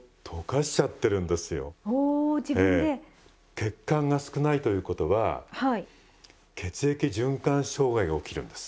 血管が少ないということは血液循環障害が起きるんです。